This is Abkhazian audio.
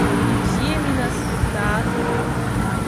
Ибзиами нас, даазар.